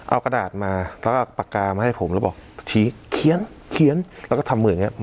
เอากระดาษมาแล้วก็ปากกามาให้ผมแล้วบอกชี้เขียนแล้วก็ทำมืออย่างเงี้